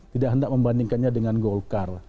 tidak hendak membandingkannya dengan golkar